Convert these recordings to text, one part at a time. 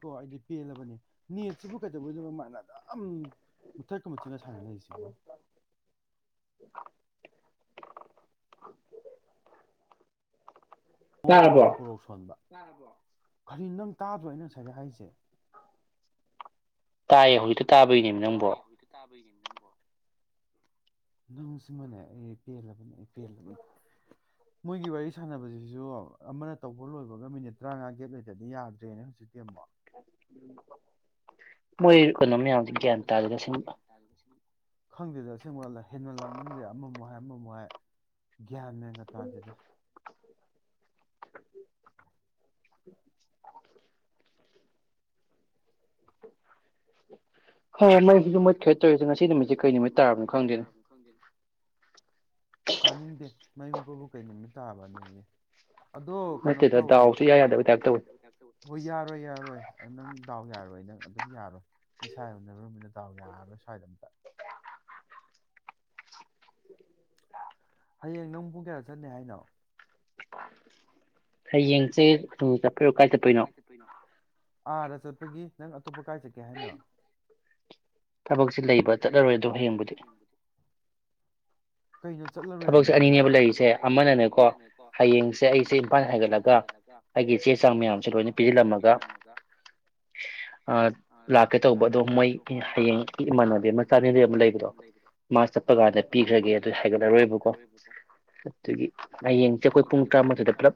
ꯀꯣ ꯑꯩꯗꯤ ꯄꯦꯜꯂꯕꯅꯤ ꯅꯦꯠꯁꯤꯕꯨ ꯀꯩꯗꯧꯕꯩꯅꯣ ꯃꯥꯢꯅ ꯑꯗꯨꯝ ꯃꯨꯊꯠꯀ ꯃꯨꯠꯁꯤꯠꯒ ꯁꯥꯟꯅ ꯂꯩꯔꯤꯁꯤꯕꯣ ꯃꯨꯛ ꯍꯧꯔꯦ ꯄꯣꯔꯧ ꯁꯣꯟꯕ ꯇꯥꯔꯕꯣꯀꯔꯤ ꯅꯪ ꯇꯥꯗ꯭ꯔꯣ ꯑꯩꯅ ꯉꯁꯥꯏꯗꯩ ꯍꯥꯏꯔꯤꯁꯦ ꯇꯥꯏꯌꯦ ꯍꯧꯖꯤꯛꯇ ꯇꯥꯕꯩꯅꯦ ꯅꯪꯕꯣ ꯅꯪꯕꯣ ꯅꯪꯁꯤꯃꯅꯦ ꯑꯩ ꯄꯦꯜꯂꯕꯅꯦ ꯑꯩ ꯄꯦꯜꯂꯕꯅꯦ ꯃꯣꯏꯒꯤ ꯋꯥꯔꯤ ꯁꯥꯟꯅꯕꯁꯤꯁꯨ ꯑꯃꯅ ꯇꯧꯕ ꯂꯣꯏꯕꯒ ꯃꯤꯅꯤꯠ ꯇꯔꯥꯃꯉꯥ ꯒꯦꯞ ꯂꯩꯇꯗꯤ ꯌꯥꯗ꯭ꯔꯦꯅꯦ ꯍꯧꯖꯤꯛꯇꯤ ꯑꯃꯨꯛ ꯃꯣꯏ ꯃꯣꯢ ꯀꯅꯣꯝ ꯃꯌꯥꯝꯁꯤ ꯒ꯭ꯌꯥꯟ ꯇꯥꯔꯗꯤ ꯑꯁꯦꯡꯕ ꯈꯪꯗꯦꯗ ꯑꯁꯦꯡꯕ ꯍꯦꯃꯟ ꯂꯥꯡꯃꯟꯈꯒ꯭ꯔꯦ ꯑꯃꯃꯨꯛ ꯍꯥꯏ ꯑꯃꯃꯨꯛ ꯍꯥꯏ ꯒ꯭ꯌꯥꯟꯃꯦꯟꯒ ꯇꯥꯗꯦꯗ ꯍꯣꯏ ꯃꯩꯁꯤꯁꯨ ꯃꯨꯠꯈ꯭ꯔꯦ ꯇꯧꯔꯤꯁꯦ ꯉꯁꯤ ꯅꯨꯃꯤꯠꯁꯦ ꯀꯩ ꯅꯨꯃꯤꯠ ꯇꯥꯔꯕꯅꯣ ꯈꯪꯗꯦꯅꯦ ꯇꯥꯅꯤꯡꯗꯦ ꯃꯩ ꯃꯨꯠꯄꯕꯨ ꯀꯩ ꯅꯨꯃꯤꯠ ꯇꯥꯕꯅꯣꯌꯦ ꯑꯗꯣ ꯀꯩꯅꯣ ꯇꯧꯋꯦ ꯉꯁꯤꯁꯦ ꯗꯥꯎ ꯏꯌꯥ ꯌꯥꯗꯕꯩ ꯇꯥꯢꯄꯇ ꯇꯧꯢ ꯍꯣꯏ ꯌꯥꯔꯣꯏ ꯌꯥꯔꯣꯏ ꯅꯪ ꯗꯥꯎ ꯌꯥꯔꯣꯏ ꯅꯪ ꯑꯗꯨꯝ ꯌꯥꯔꯣꯏ ꯅ ꯏꯁꯥ ꯌ ꯗꯥꯎ ꯌꯔꯔꯣꯏ ꯁꯥꯏꯗ ꯑꯝꯇ ꯍꯌꯦꯡ ꯅꯪ ꯄꯨꯡ ꯀꯌꯥ ꯆꯠꯅꯤ ꯍꯥꯏꯅꯣ ꯍꯌꯦꯡꯁꯦ ꯆꯠꯄꯤꯔꯣ ꯀꯥꯏ ꯆꯠꯄꯣꯏꯅꯣ ꯑꯥꯗ ꯆꯠꯄꯒꯤ ꯅꯪ ꯑꯇꯣꯞꯄ ꯀꯥꯏ ꯆꯠꯀꯦ ꯍꯥꯏꯅ ꯊꯕꯛꯁꯤ ꯂꯩꯕ ꯆꯠꯂꯔꯣꯏ ꯑꯗꯣ ꯍꯌꯦꯡꯕꯨꯗꯤ ꯀꯩꯅꯣ ꯆꯠꯂꯔꯣꯏ ꯑꯃꯨꯛ ꯑꯅꯤꯅꯦꯕ ꯂꯩꯔꯤꯁꯦ ꯑꯃꯅꯅꯦꯀꯣ ꯍꯌꯦꯡꯁꯦ ꯑꯩꯁꯦ ꯏꯝꯐꯥꯜ ꯑꯩꯒꯤ ꯆꯦ ꯆꯥꯡ ꯃꯌꯥꯝꯁꯦ ꯂꯣꯏꯅ ꯄꯤꯁꯤꯜꯂꯝꯃꯒ ꯂꯥꯛꯀꯦ ꯇꯧꯕ ꯑꯗꯣ ꯃꯣꯏ ꯍꯌꯦꯡ ꯏꯃꯥꯟꯅꯕꯤ ꯑꯃ ꯆꯥꯟꯅꯕꯤ ꯑꯃ ꯂꯩꯕꯗꯣ ꯃꯥ ꯆꯠꯄ ꯀꯥꯟꯗ ꯄꯤꯈ꯭ꯔꯒꯦ ꯑꯗꯨ ꯍꯥꯏꯒꯠꯂꯔꯣꯏ ꯀ ꯑꯗꯨꯒꯤ ꯍꯌꯦꯡꯁꯦ ꯑꯩꯈꯣꯏ ꯄꯨꯡ ꯇꯔꯥꯃꯥꯊꯣꯏꯗ ꯄꯨꯂꯞ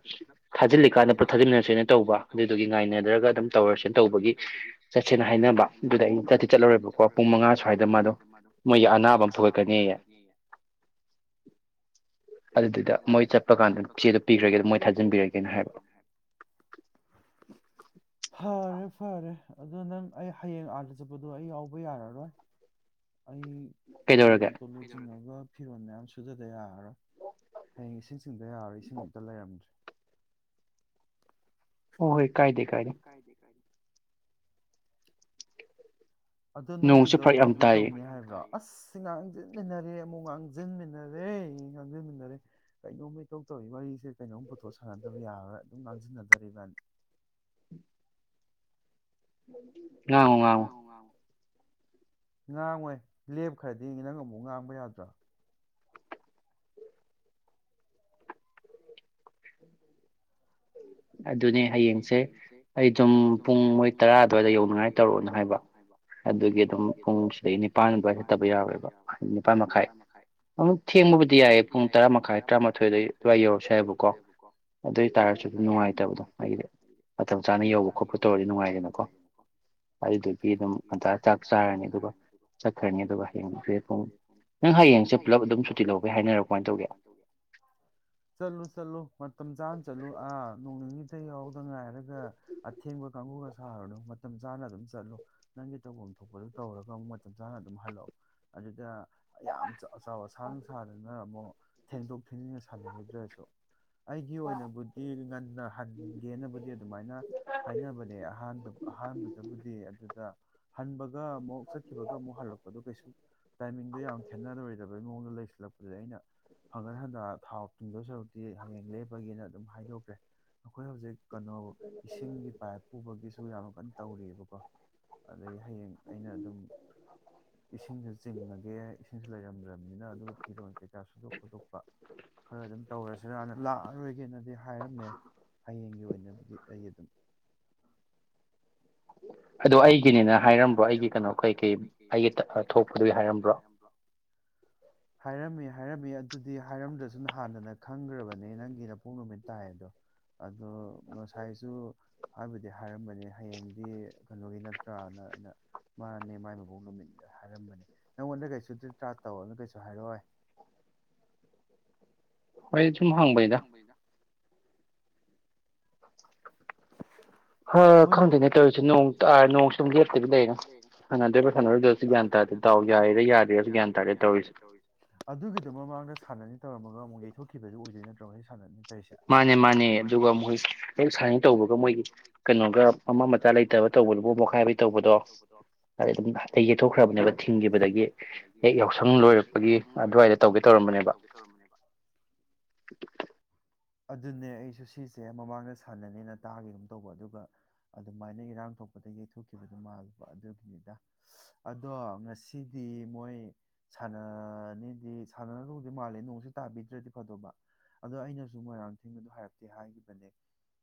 ꯊꯥꯖꯤꯜꯂꯤꯀꯥꯟꯗ ꯄꯨꯊꯥꯖꯤꯃꯤꯟꯅꯔꯁꯦꯅ ꯇꯧꯕ ꯑꯗꯨꯗꯨꯒꯤ ꯉꯥꯏꯅꯗ꯭ꯔꯒ ꯑꯗꯨꯝ ꯇꯧꯔꯁꯦꯅ ꯇꯧꯕꯒꯤ ꯆꯠꯁꯦꯅ ꯍꯥꯏꯅꯕ ꯑꯗꯨꯗ ꯑ ꯆꯠꯇꯤ ꯆꯠꯂꯔꯣꯏꯕꯀꯣ ꯄꯨꯡ ꯃꯉꯥ ꯁ꯭ꯋꯥꯏꯗ ꯃꯥꯗꯣ ꯃꯣꯏꯒꯤ ꯑꯅꯥꯕ ꯑꯃ ꯄꯨꯈꯠꯀꯅꯤ ꯑꯌꯦ ꯑꯗꯨꯗꯨꯗ ꯃꯣꯏ ꯆꯠꯄ ꯀꯥꯟꯗ ꯆꯦꯗꯣ ꯄꯤꯈ꯭ꯔꯒꯦ ꯃꯣꯏ ꯊꯥꯖꯤꯟꯕꯤꯔꯒꯦꯅ ꯍꯥꯏꯕ ꯐꯔꯦ ꯑꯗꯨ ꯅꯪ ꯑꯩ ꯍꯌꯦꯡ ꯑꯥꯗ ꯆꯠꯄꯗꯣ ꯑꯩ ꯌꯥꯎꯕ ꯌꯥꯔꯔꯣꯏ ꯀꯩꯗꯧꯔꯒꯦ ꯐꯤꯔꯣꯟ ꯃꯌꯥꯝ ꯁꯨꯗꯗ ꯌꯥꯔꯔꯣꯏ ꯑꯣ ꯍꯣꯏ ꯀꯥꯏꯗ ꯀꯥꯏꯗꯦ ꯑꯗꯨ ꯅꯣꯏꯒꯤꯗꯣ ꯇꯧꯗꯤ ꯇꯧꯅꯤ ꯍꯥꯏꯕ꯭ꯔꯣ ꯑꯁ ꯉꯥꯡꯁꯤꯟꯃꯤꯟꯅꯔꯦ ꯑꯃꯨꯛ ꯉꯥꯡꯁꯤꯟꯃꯤꯟꯅꯔꯦ ꯉꯥꯡꯁꯤꯟꯃꯤꯟꯅꯔꯦ ꯀꯩꯅꯣꯝꯃ ꯏꯇꯧ ꯇꯧꯔꯤꯕ ꯋꯥꯔꯤꯁꯦ ꯀꯩꯅꯣꯝ ꯄꯨꯊꯣꯛ ꯁꯥꯟꯅꯗꯕ ꯌꯥꯔꯔꯣꯏ ꯑꯗꯨꯝ ꯉꯥꯡꯁꯤꯟꯅꯗꯣꯔꯦ ꯏꯕꯅꯤ ꯎ ꯑ ꯉꯥꯡꯉꯣꯏ ꯂꯦꯞꯈ꯭ꯔꯗꯤ ꯅꯪ ꯑꯃꯨꯛ ꯉꯥꯡꯕ ꯌꯥꯗ꯭ꯔꯥ ꯑꯗꯨꯅꯦ ꯍꯌꯦꯡꯁꯦ ꯑꯩ ꯑꯗꯨꯝ ꯄꯨꯡ ꯃꯣꯏ ꯇꯔꯥ ꯑꯗꯨꯋꯥꯏꯗ ꯌꯧꯅꯤꯡꯉꯥꯏ ꯇꯧꯔꯛꯑꯣꯅ ꯍꯥꯏꯕ ꯑꯗꯨꯒꯤ ꯑꯗꯨꯝ ꯄꯨꯡ ꯁꯤꯗꯒꯤ ꯅꯤꯄꯥꯟ ꯑꯗꯨꯋꯥꯏꯗ ꯆꯠꯇꯕ ꯌꯥꯔꯣꯏꯕ ꯅꯤꯄꯥꯜ ꯃꯈꯥꯏ ꯑꯃꯨ ꯊꯦꯡꯕꯕꯨꯗꯤ ꯌꯥꯏꯌꯦ ꯄꯨꯡ ꯇꯔꯥ ꯃꯈꯥꯏ ꯇꯔꯥꯃꯥꯊꯣꯏꯗ ꯑꯗꯨꯋꯥꯏ ꯌꯧꯔꯁꯨ ꯌꯥ ꯍꯥꯏꯕꯀꯣ ꯑꯗꯨ ꯑꯣꯏ ꯇꯔꯁꯨ ꯅꯨꯡꯉꯥꯏꯇꯕꯗꯣ ꯃꯇꯝ ꯆꯥꯅ ꯌꯧꯕ ꯈꯣꯠꯄ ꯇꯧꯔꯗꯤ ꯅꯨꯡꯉꯥꯏꯗꯅꯀꯣ ꯑꯗꯨ ꯑꯗꯨꯈ ꯅ ꯍꯌꯦꯡ ꯑꯗꯨꯨꯤꯒꯦ ꯍꯥꯏꯃ ꯇꯒꯦ ꯆꯠꯂ ꯆꯠꯂꯨ ꯃꯇꯝ ꯆꯥꯅ ꯆꯠꯂꯨ ꯅꯣꯡ ꯑꯛꯇ ꯌꯥꯎꯗ ꯉꯥꯏꯔꯒ ꯑꯊꯦꯡꯕ ꯀꯥꯡꯕꯨꯒ ꯁꯥꯔꯅꯨ ꯃꯇꯝ ꯆꯥꯅ ꯑꯗꯨꯝ ꯆꯠꯂꯣ ꯅꯪꯒꯤ ꯇꯧꯐꯝ ꯊꯣꯛꯄꯗꯨ ꯇꯧꯔꯒ ꯑꯃꯨꯛ ꯃꯇꯝ ꯆꯥꯅ ꯑꯗꯨꯝ ꯍꯜꯂꯛꯑꯣ ꯑꯗꯨꯗ ꯌꯥꯝ ꯑꯆꯕ ꯁꯥꯡ ꯁꯥꯗꯅ ꯑꯃꯨꯛ ꯊꯣ ꯄꯨꯜꯅ ꯁꯥꯟꯅꯔꯨꯗ꯭ꯔꯁꯨ ꯑꯩꯒꯤ ꯑꯣꯏꯅꯕꯨꯗꯤ ꯉꯟꯅ ꯍꯟꯒꯦꯅꯕꯨꯗꯤ ꯑꯗꯨꯃꯥꯏꯅ ꯍꯥꯏꯅꯕꯅꯦ ꯑꯍꯥꯟꯕ ꯑꯍꯥꯟꯕꯗꯕꯨꯗꯤ ꯑꯗꯨꯗ ꯍꯟꯕꯒ ꯑꯃꯨꯛ ꯆꯠꯈꯤꯕꯒ ꯑꯃꯨꯛ ꯍꯜꯂꯛꯄꯗꯣ ꯀꯩꯁꯨ ꯇꯥꯏꯃꯤꯡꯗꯣ ꯌꯥꯝ ꯈꯦꯠꯅꯔꯣꯏꯗꯕꯒꯤ ꯃꯑꯣꯡꯗꯣ ꯂꯩꯁꯤꯜꯂꯛꯄꯗ ꯑꯩꯅ ꯍꯪꯒꯠ ꯍꯟꯗ ꯊꯥꯎ ꯇꯨꯡꯗ ꯁꯔꯨꯗꯤ ꯍꯌꯦꯡ ꯂꯦꯞꯄꯒꯦꯅ ꯑꯗꯨꯝ ꯍꯥꯏꯗꯣꯛꯈ꯭ꯔꯦ ꯑꯩꯈꯣꯏ ꯍꯧꯖꯤꯛ ꯀꯩꯅꯣ ꯏꯁꯤꯡꯒꯤ ꯄꯥꯏꯞ ꯄꯨꯕꯒꯤꯁꯨ ꯌꯥꯝ ꯀꯟꯅ ꯇꯧꯔꯤꯑꯕꯀꯣ ꯑꯗꯩ ꯍꯌꯦꯡ ꯑꯩꯅ ꯑꯗꯨꯝ ꯏꯁꯤꯡꯁꯨ ꯆꯤꯡꯉꯒꯦ ꯏꯁꯤꯡꯁꯨ ꯂꯩꯔꯝꯗ꯭ꯔꯕꯅꯤꯅ ꯑꯗꯨꯒ ꯐꯤꯔꯣꯜ ꯀꯩꯀꯥꯁꯨ ꯈꯣꯠꯇꯣꯛꯄ ꯈꯔ ꯑꯗꯨꯝ ꯇꯧꯔꯁꯤꯔ ꯍꯥꯟꯅ ꯂꯥꯛꯑꯔꯣꯏꯒꯦꯅꯗꯤ ꯍꯥꯏꯔꯝꯃꯦ ꯍꯌꯦꯡꯒꯤ ꯑꯣꯏꯅꯕꯨꯗꯤ ꯑꯩ ꯑꯗꯨꯝ ꯑꯣ ꯑꯩꯒꯤꯅꯤꯅ ꯍꯥꯏꯔꯝꯕ꯭ꯔꯣ ꯑꯩꯒꯤ ꯀꯩꯅꯣ ꯀꯩ ꯀꯩ ꯑꯩꯒꯤ ꯊꯣꯛꯄꯗꯨꯒꯤ ꯍꯥꯏꯔꯝꯕ꯭ꯔꯣ ꯍꯥꯏꯔꯝꯃꯤ ꯍꯥꯏꯔꯝꯃꯤ ꯑꯗꯨꯗꯤ ꯍꯥꯏꯔꯝꯗ꯭ꯔꯁꯨ ꯅ ꯍꯥꯟꯗꯅ ꯈꯪꯈ꯭ꯔꯕꯅꯦ ꯅꯪꯒꯤ ꯅꯄꯣꯛ ꯅꯨꯃꯤꯠ ꯇꯥꯏ ꯑꯗꯣ ꯑꯗꯣ ꯉꯁꯥꯏꯁꯨ ꯍꯥꯏꯕꯗꯤ ꯍꯥꯏꯔꯝꯕꯅꯦ ꯍꯌꯦꯡꯗꯤ ꯀꯩꯅꯣꯒꯤ ꯅ ꯭ꯔꯅ ꯑꯩꯅ ꯃꯥꯅꯦ ꯃꯥꯏ ꯃꯕꯣꯛ ꯅꯨꯃꯤꯠ ꯍꯥꯏꯔꯝꯕꯅꯦ ꯅꯪꯉꯣꯟꯗ ꯀꯩꯁꯨ ꯇꯔꯤ ꯇ꯭ꯔꯥ ꯇꯧꯅ ꯀꯩꯁꯨ ꯍꯥꯏꯔꯑꯣꯣꯏ ꯍꯣꯏ ꯁꯨꯝꯃ ꯍꯥꯡꯕꯩꯗ ꯣꯏ ꯈꯪꯗꯣꯏꯅꯦ ꯇꯧꯔꯤꯁ ꯁ ꯌꯥꯗꯌꯥꯟ ꯇꯥ ꯇꯔꯤꯁꯦꯒꯤ ꯃꯃꯥꯡ ꯁꯥꯟꯅꯅꯤ ꯇꯧꯔꯝꯒ ꯑꯃꯨꯛ ꯌꯩꯊꯣꯛꯈꯤꯕꯗꯨ ꯑꯣꯏꯗꯣꯏ ꯅꯠꯇ꯭ꯔꯒ ꯑꯩ ꯁꯥꯟꯅꯅꯤ ꯃꯥꯅꯦ ꯃꯥꯅꯦ ꯗꯨꯒꯝ ꯍ ꯁ ꯇꯧꯕꯒ ꯃꯣꯏꯒꯤ ꯀꯩꯅꯣꯒ ꯃꯃꯥ ꯃꯆꯥ ꯂꯩꯇꯕ ꯇꯧꯕꯗꯨꯕꯨ ꯃꯈꯥꯏꯕꯩ ꯇꯧꯕꯗꯣ ꯑꯗꯨꯝ ꯑꯇꯩ ꯌꯦꯠꯊꯣꯛꯈ꯭ꯔꯕꯅꯦꯕ ꯊꯤꯡꯈꯤꯕꯗꯒꯤ ꯍꯦꯛ ꯌꯥꯎꯁꯪ ꯂꯣꯏꯔꯛꯄꯒꯤ ꯑꯗꯨꯋꯥꯏꯗ ꯇꯧꯒꯦ ꯇꯧꯔꯝꯕꯅꯦꯕ ꯑꯗꯨꯅꯦ ꯑꯩꯁꯨ ꯁꯤꯁꯦ ꯃꯃꯥꯡꯗ ꯁꯥꯟꯅꯅꯦꯅ ꯇꯥꯒꯒꯨꯝ ꯇꯧꯕ ꯑꯗꯨꯒ ꯑꯗꯨꯃꯥꯏꯅ ꯏꯔꯥꯡ ꯊꯣꯛꯄꯗ ꯌꯩꯊꯣꯛꯈꯤꯕꯗꯨ ꯃꯥꯜꯂꯕ ꯑꯗꯨꯒꯤꯅꯤꯗ ꯑꯗꯣ ꯉꯁꯤꯗꯤ ꯃꯣꯏ ꯁꯥꯟꯅꯅꯤꯗꯤ ꯁꯥꯟꯅꯅꯗꯧꯗꯤ ꯃꯥꯜꯂꯦ ꯅꯣꯡꯁꯨ ꯇꯥꯕꯤꯗ꯭ꯔꯗꯤ ꯐꯗꯧꯕ ꯑꯗꯣ ꯑꯩꯅꯁꯨ ꯃꯣꯏꯔꯥꯡꯊꯁꯤꯡꯗ ꯍꯥꯏꯔꯛꯇꯦ ꯍꯥꯏꯈꯤꯕꯅꯦ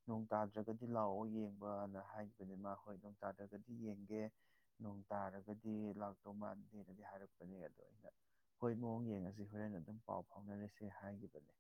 ꯅꯣꯡ ꯇꯥꯗ꯭ꯔꯒꯗꯤ ꯂꯥꯛꯑꯣ ꯌꯦꯡꯕꯅ ꯍꯥꯏꯈꯤꯕꯅꯤ ꯃꯥ ꯍꯣꯏ ꯅꯣꯡ ꯇꯥꯗ꯭ꯔꯒꯗꯤ ꯌꯦꯡꯒꯦ ꯅꯣꯡ ꯇꯥꯔꯒꯗꯤ ꯂꯥꯛꯇꯧ ꯃꯥꯟꯗꯦꯅꯗꯤ ꯍꯥꯏꯔꯛꯄꯅꯦ ꯑꯗꯣ ꯑꯩꯅ ꯍꯣꯏ ꯃꯑꯣꯡ ꯌꯦꯡꯉꯁꯤ ꯍꯣꯔꯦꯟ ꯑꯗꯨꯝ ꯄꯥꯎ ꯐꯥꯎꯅꯔꯁꯦ ꯍꯥꯏꯈꯤꯕꯅꯦ